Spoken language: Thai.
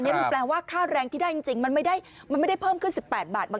มันแปลว่าค่าแรงที่ได้จริงมันไม่ได้เพิ่มขึ้น๑๘บาท